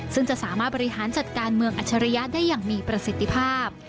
ซึ่งจะสามารถบริหารจัดการเมืองอัจฉริยะได้อย่างมีประสิทธิภาพ